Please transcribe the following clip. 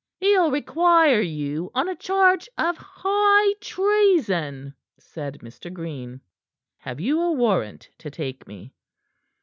"He'll require you on a charge of high treason," said Mr. Green. "Have you a warrant to take me?"